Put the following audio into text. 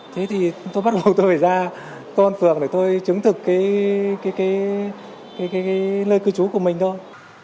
thế thì tôi bắt đầu tôi phải ra công an phường để tôi chứng thực cái nơi cư trú của mình thôi